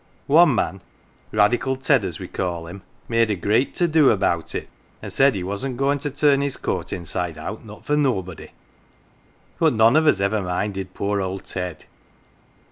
One man Radical Ted as we call him made a great to do about it, and said he wasn't goin' to turn his coat inside out, not for nobody. But none of us ever minded poor old Ted.